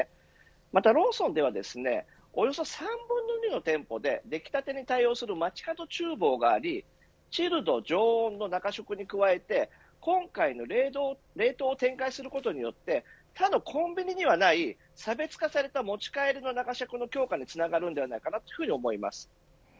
また、ローソンではおよそ３分の２の店舗でできたてに対応する街角厨房がありチルド、常温の中食に加えて今回の冷凍を展開することによって他のコンビニにはない差別化された持ち帰りの中食の強化につながるのではないかと思います。